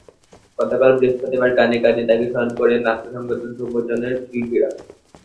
গতকাল বৃহস্পতিবার গানে গানে তাঁকে স্মরণ করেন নাট্য সংগঠন সুবচনের শিল্পীরা।